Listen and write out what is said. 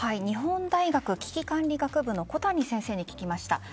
日本大学危機管理学部の小谷先生に聞きました。